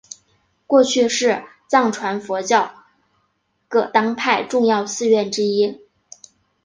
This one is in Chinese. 过去是藏传佛教噶当派重要寺院之一。